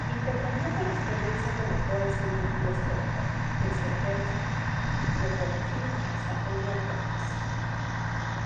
Intercambió correspondencia con autores de un amplio espectro, desde Petr Kropotkin hasta Edward Thomas.